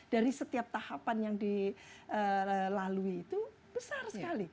dari setiap tahapan yang dilalui itu besar sekali